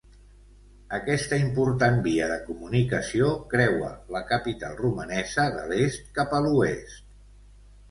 Aquesta important via de comunicació creua la capital romanesa de l'est cap a l'oest.